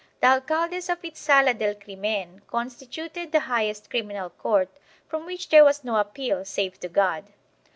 The alcaldes of its Sala del Crimen constituted the highest criminal court, from which there was no appeal save to God.